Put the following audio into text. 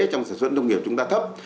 trong sản xuất nông nghiệp chúng ta thấp